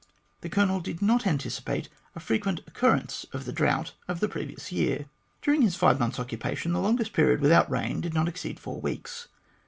The Colonel did not anticipate a frequent occurrence of the drought of the previous year. During his five months' occupation, the longest period without rain did not exceed four weeks.